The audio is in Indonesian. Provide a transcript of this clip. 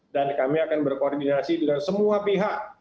dan kami akan berkoordinasi dengan semua pihak